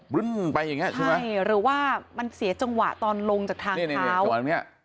ใช่หรือว่ามันเสียจังหวะตอนลงจากทางเท้า